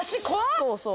そうそう。